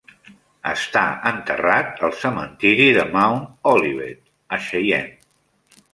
Està enterrat al cementiri de Mount Olivet, a Cheyenne.